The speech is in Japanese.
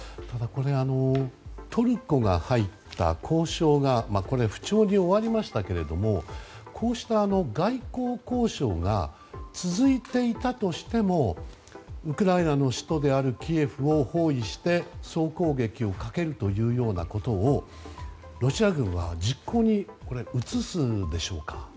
これ、トルコが入った交渉が不調に終わりましたけどこうした外交交渉が続いていたとしてもウクライナの首都であるキエフを包囲して総攻撃をかけるということをロシア軍は実行に移すでしょうか。